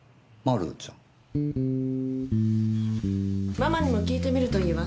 ママにも訊いてみるといいわ。